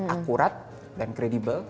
akurat dan kredibel